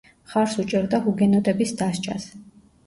მხარს უჭერდა ჰუგენოტების დასჯას.